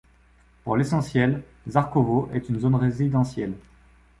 Pour l'essentiel, Žarkovo est une zone résidentielle.